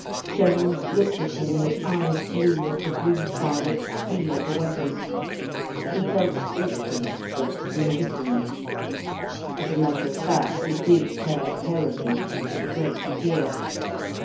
Gerald looked at him with eyes blue as the blue fibred steel of a weapon. He felt awkward, but indifferent. As a matter of fact, he did care terribly, with a great fear.